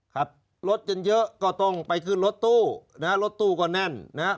ขับรถกันเยอะก็ต้องไปขึ้นรถตู้นะฮะรถตู้ก็แน่นนะฮะ